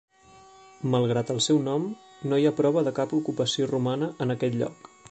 Malgrat el seu nom, no hi ha prova de cap ocupació romana en aquest lloc.